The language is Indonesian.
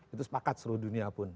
itu sepakat seluruh dunia pun